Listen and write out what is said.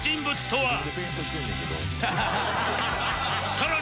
さらに